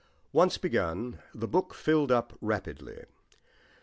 Once begun, the book filled up rapidly.